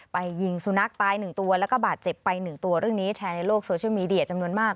ยิงสุนัขตาย๑ตัวแล้วก็บาดเจ็บไป๑ตัวเรื่องนี้แชร์ในโลกโซเชียลมีเดียจำนวนมาก